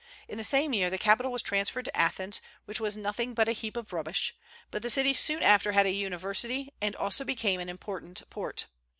In the same year the capital was transferred to Athens, which was nothing but a heap of rubbish; but the city soon after had a university, and also became an important port.